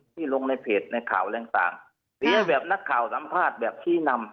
ลงในเพจในข่าวอะไรต่างเสียแบบนักข่าวสัมภาษณ์แบบชี้นำ